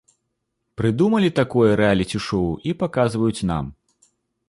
Прыдумалі такое рэаліці-шоў і паказваюць нам.